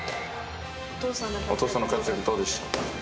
お父さんの活躍どうでした？